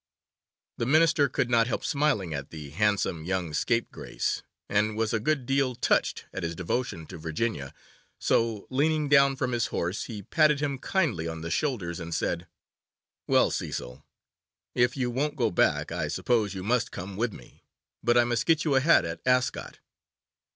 The Minister could not help smiling at the handsome young scapegrace, and was a good deal touched at his devotion to Virginia, so leaning down from his horse, he patted him kindly on the shoulders, and said, 'Well, Cecil, if you won't go back I suppose you must come with me, but I must get you a hat at Ascot.